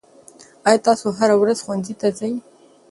آیا تاسې هره ورځ ښوونځي ته ځئ؟